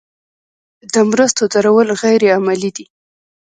د مرستو درول غیر عملي دي.